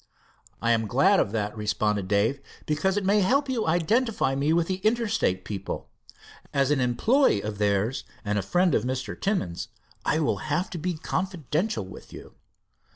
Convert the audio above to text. "I am glad of that," responded Dave, "because it may help you identify me with the Inter state people. As an employee of theirs and a friend of Mr. Timmins, I will have to be confidential with you."